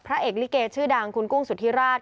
เอกลิเกชื่อดังคุณกุ้งสุธิราช